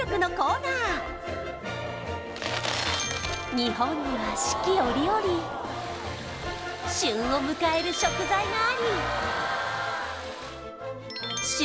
日本には四季折々旬を迎える食材があり旬